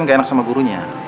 kan gak enak sama gurunya